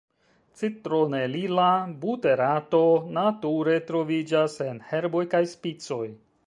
Citronelila buterato nature troviĝas en herboj kaj spicoj.